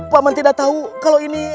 paman tidak tahu kalau ini